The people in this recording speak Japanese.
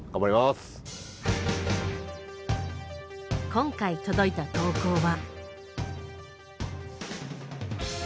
今回届いた投稿は。